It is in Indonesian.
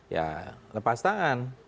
ya lepas tangan